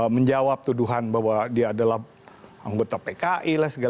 menjawab tuduhan bahwa dia adalah anggota pki